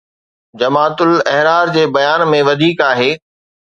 جماعت الاحرار جي بيان ۾ وڌيڪ آهي